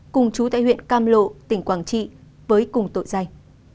cùng chú tại huyện cam lộ tỉnh quảng trị với cùng tội danh